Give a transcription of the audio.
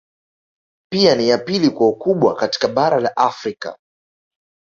Pia ni ya pili kwa ukubwa katika Bara la Afrika